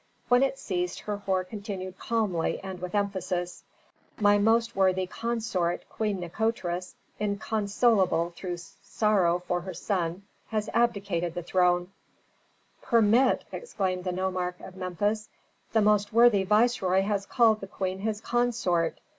When it ceased Herhor continued calmly and with emphasis: "My most worthy consort, Queen Nikotris, inconsolable through sorrow for her son, has abdicated the throne " "Permit!" exclaimed the nomarch of Memphis. "The most worthy viceroy has called the queen his consort.